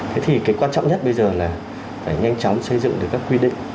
thế thì cái quan trọng nhất bây giờ là phải nhanh chóng xây dựng được các quy định